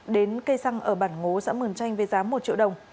đến cây xăng ở bản ngố xã mường chanh với giá một triệu đồng